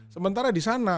sementara di sana